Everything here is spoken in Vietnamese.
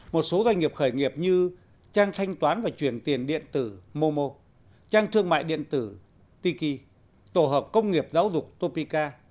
một số doanh nghiệp khởi nghiệp như trang thanh toán và chuyển tiền điện tử momo trang thương mại điện tử tiki tổ hợp công nghiệp giáo dục topica